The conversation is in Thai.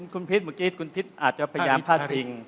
คุณพิษเมื่อกี้คุณพิษอาจจะพยายามพาดพิง